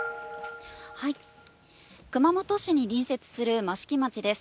熊本市に隣接する益城町です。